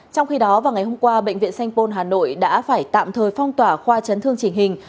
trong khi đó vào ngày hôm qua bệnh viện sanh pôn hà nội đã phải tạm thời phong tỏa khoa chấn thương chỉnh hình